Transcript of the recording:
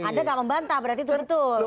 anda nggak membantah berarti itu betul